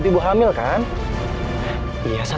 tidak ada apa apa